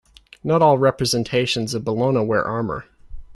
Not all representations of Bellona wear armour.